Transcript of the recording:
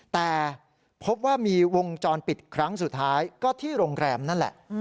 แต่พบว่ามีวงจรปิดครั้งสุดท้ายก็ที่โรงแรมนั่นแหละ